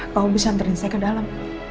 kamu bisa antarin saya ke dalam